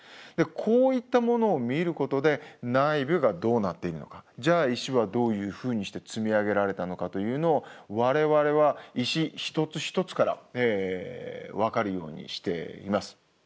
こういったものを見ることで内部がどうなっているのかじゃあ石はどういうふうにして積み上げられたのかというのを我々は石一つ一つから分かるようにしています。